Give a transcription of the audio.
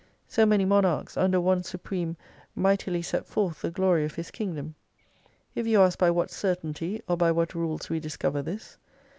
So many monarchs under one Supreme mightily set forth the glory of His Kingdom. If you ask by what certainty, or by what rules we discover this